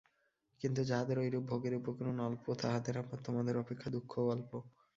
কিন্তু যাহাদের ঐরূপ ভোগের উপকরণ অল্প, তাহাদের আবার তোমাদের অপেক্ষা দুঃখও অল্প।